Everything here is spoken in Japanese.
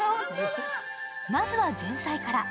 まずは前菜から。